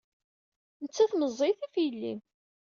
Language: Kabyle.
Nettat meẓẓiyet ɣef yelli-m!